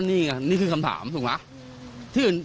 นี่คือคำถามถูกมั้ย